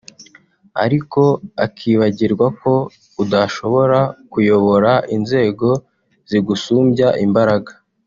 ariko akibagirwa ko udashobora kuyobora inzego zigusumbya imbaraga